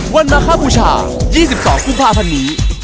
วันมะข้าวผู้ชาว๒๒ปุ่มภาพันธ์นี้